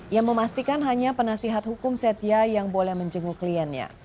ia memastikan hanya penasihat hukum setia yang boleh menjenguk kliennya